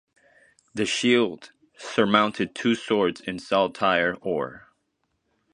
The shield surmounted two swords in saltire or.